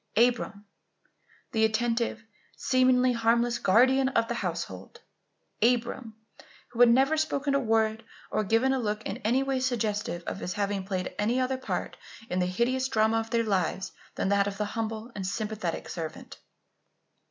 Abram! the attentive, seemingly harmless, guardian of the household! Abram! who had never spoken a word or given a look in any way suggestive of his having played any other part in the hideous drama of their lives than that of the humble and sympathetic servant!